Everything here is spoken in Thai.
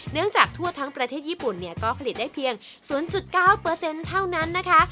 จากทั่วทั้งประเทศญี่ปุ่นเนี่ยก็ผลิตได้เพียง๐๙เท่านั้นนะคะ